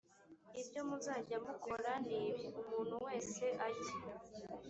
ibyo muzajya mukora ni ibi umuntu wese ajye